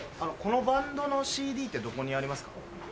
このバンドのＣＤってどこにありますか？